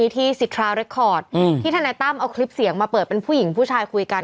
ที่ธนายตั้มเอาคลิปเสียงมาเปิดเป็นผู้หญิงผู้ชายคุยกัน